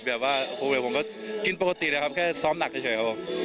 ผมก็กินปกติเลยครับแค่ซ้อมหนักเฉยครับผม